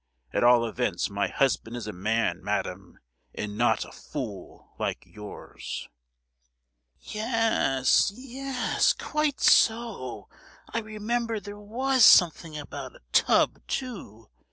—at all events my husband is a man, madam, and not a fool, like yours!" "Ye—yes—quite so! I remember there was something about a tub, too!"